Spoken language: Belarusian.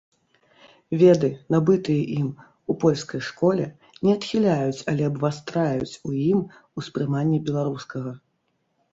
Веды, набытыя ім у польскай школе, не адхіляюць, але абвастраюць у ім успрыманне беларускага.